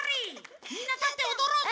みんなたっておどろうぜ！